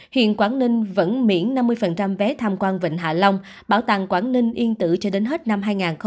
hiện quảng ninh vẫn miễn năm mươi vé tham quan vịnh hạ long bảo tàng quảng ninh yên tử cho đến hết năm hai nghìn hai mươi